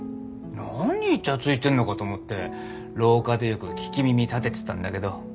何いちゃついてんのかと思って廊下でよく聞き耳たててたんだけど。